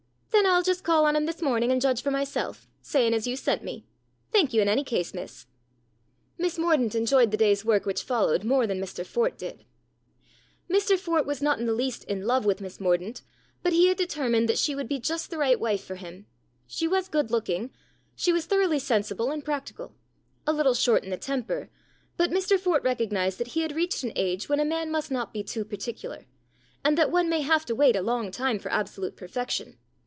"Then I'll just call on him this morning and judge for myself, saying as you sent me. Thank you, in any case, miss." Miss Mordaunt enjoyed the day's work which followed more than Mr Fort did. Mr Fort was not in the least in love with Miss Mordaunt, but he had determined that she 172 STORIES IN GREY would be just the right wife for him. She was good looking. She was thoroughly sensible and practical. A little short in the temper but Mr Fort recognized that he had reached an age when a man must not be too particular, and that one may have to wait a long time for absolute perfec tion.